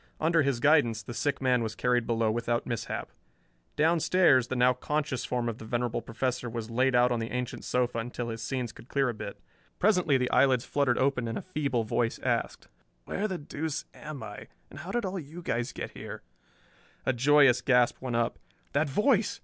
Under his guidance the sick man was carried below without mishap. Downstairs the now conscious form of the venerable Professor was laid out on the ancient sofa until his senses could clear a bit. Presently the eyelids fluttered open and a feeble voice asked, "Where the deuce am I, and how did all you guys get here?" A joyous gasp went up. That voice!